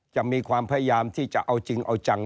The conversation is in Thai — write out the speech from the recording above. จะมีความพยายามที่จะเอาจริงเอาจัง